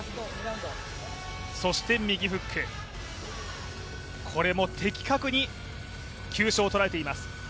そして右フック、これも的確に急所を捉えています。